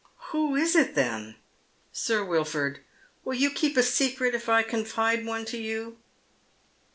" Who is it, then ?"" Sir Wilford, will you keep a secret if I confide one to you?"